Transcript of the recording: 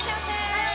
はい！